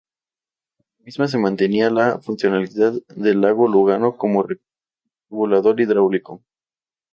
Por la misma se mantenía la funcionalidad del lago Lugano como regulador hidráulico.